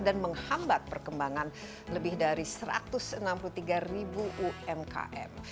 dan menghambat perkembangan lebih dari satu ratus enam puluh tiga ribu umkm